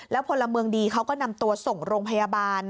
พลเมืองดีเขาก็นำตัวส่งโรงพยาบาล